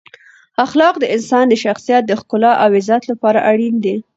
اخلاق د انسان د شخصیت د ښکلا او عزت لپاره اړین دی.